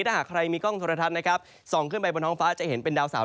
ถ้าหากใครมีกล้องโทรทัศน์นะครับส่องขึ้นไปบนท้องฟ้าจะเห็นเป็นดาวเสาร์